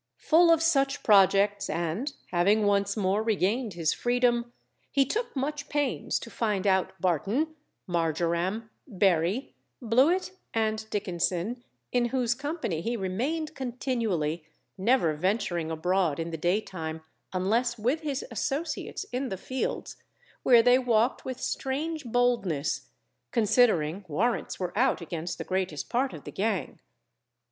Full of such projects, and having once more regained his freedom, he took much pains to find out Barton, Marjoram, Berry, Blewit and Dickenson, in whose company he remained continually, never venturing abroad in the day time unless with his associates in the fields, where they walked with strange boldness, considering warrants were out against the greatest part of the gang.